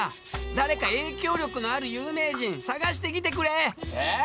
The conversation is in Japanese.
誰か影響力のある有名人探してきてくれ！え！